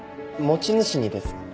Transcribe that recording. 持ち主にです。